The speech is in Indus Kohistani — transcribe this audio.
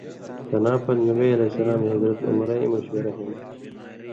تلاں پاتُو، نبی علیہ سلامے حضرتِ عُمرَؓیں مشورہ ہِن